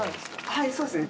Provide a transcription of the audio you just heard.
はいそうですね